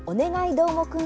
どーもくん」